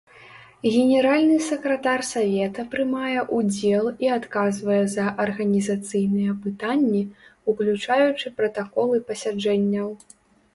Генеральны сакратар савета прымае ўдзел і адказвае за арганізацыйныя пытанні, уключаючы пратаколы пасяджэнняў.